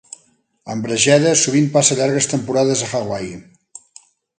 En Bregeda sovint passa llargues temporades a Hawaii.